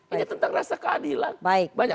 ini tentang rasa keadilan